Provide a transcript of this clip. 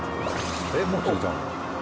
えっもう釣れたの？